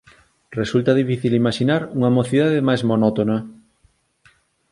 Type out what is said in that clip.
Resulta difícil imaxinar unha mocidade máis monótona.